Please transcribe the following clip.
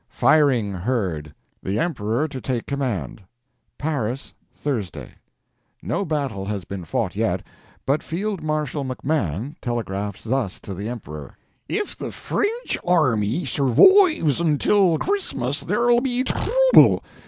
FIRING HEARD! THE EMPEROR TO TAKE COMMAND. PARIS, Thursday. No battle has been fought yet. But Field Marshal McMahon telegraphs thus to the Emperor: "If the Frinch army survoives until Christmas there'll be throuble.